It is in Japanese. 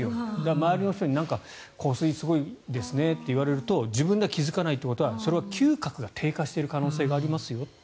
周りの人になんか香水すごいですねって言われると自分では気付かないということはそれは嗅覚が低下している可能性がありますよと。